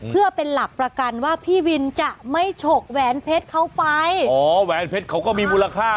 เพื่อเป็นหลักประกันว่าพี่วินจะไม่ฉกแหวนเพชรเขาไปอ๋อแหวนเพชรเขาก็มีมูลค่า